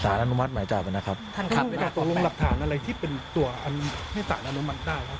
สารอนุมัติหมายจากมันนะครับท่านครับตรงหลักฐานอะไรที่เป็นตัวอันไม่สารอนุมัติได้ครับ